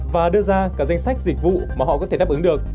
và đưa ra cả danh sách dịch vụ mà họ có thể đáp ứng được